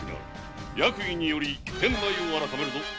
役儀により店内を改めるぞ。